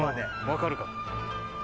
分かるか？